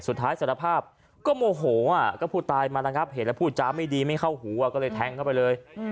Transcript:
สารภาพก็โมโหก็ผู้ตายมาระงับเหตุแล้วพูดจ้าไม่ดีไม่เข้าหัวก็เลยแทงเข้าไปเลย